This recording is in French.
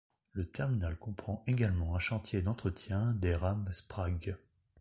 Le terminal comprend également un chantier d'entretien des rames Sprague.